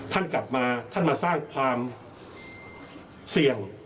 ท่านกลับมาท่านมาสร้างความเสี่ยง